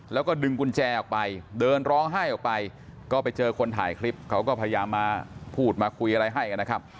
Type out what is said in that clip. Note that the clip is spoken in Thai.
แล้วก็ดึงกุญแจออกไปเดินร้องไห้ออกไปก็ไปเจอคนถ่ายคลิปเขาก็พยายามมาพูดมาคุยอะไรให้กันนะครับ